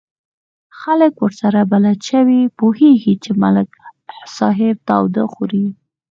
خلک ورسره بلد شوي، پوهېږي چې ملک صاحب تاوده خوري.